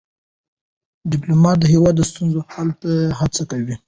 ډيپلومات د هیواد د ستونزو حل ته هڅه کوي.